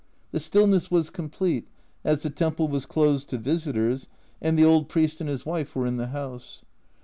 The stillness was complete, as the temple was closed to visitors and the old priest and his wife were in the house.